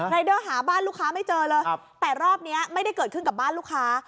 เดอร์หาบ้านลูกค้าไม่เจอเลยแต่รอบนี้ไม่ได้เกิดขึ้นกับบ้านลูกค้า